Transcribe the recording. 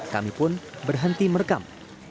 kami pun berhenti merekam